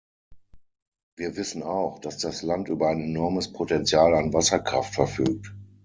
Wir wissen auch, dass das Land über ein enormes Potenzial an Wasserkraft verfügt.